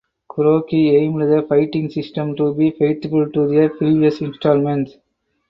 Kuroki aimed the fighting system to be faithful to their previous installments.